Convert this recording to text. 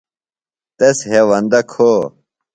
تس ہیوندہ کھو۔